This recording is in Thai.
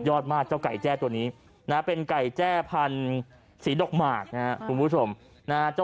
ได้ความร้อนอย่างนี่หรือ